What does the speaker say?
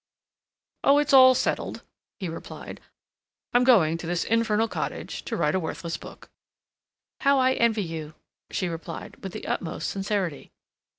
"Oh, it's all settled," he replied. "I'm going to this infernal cottage to write a worthless book." "How I envy you," she replied, with the utmost sincerity.